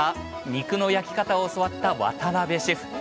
肉の焼き方を教わった渡邊シェフ。